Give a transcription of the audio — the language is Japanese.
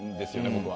僕は。